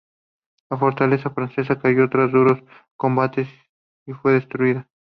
La fortaleza francesa cayó tras duros combates y fue destruida.